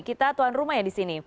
kita tuan rumah ya di sini